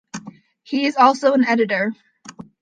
He is also an editor.